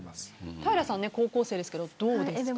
平さんは高校生ですがどうですか。